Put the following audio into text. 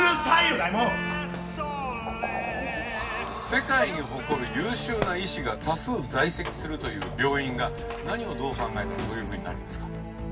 「世界に誇る優秀な医師が多数在籍するという病院が何をどう考えたらそういうふうになるんですか？」